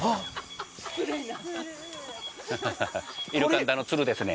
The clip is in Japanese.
イルカンダのつるですね